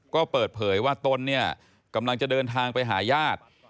ก็เปิดเผยว่าตนเนี่ยกำลังจะเดินทางไปหาญาติ